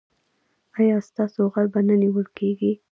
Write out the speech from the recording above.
ایا ستاسو غل به نه نیول کیږي؟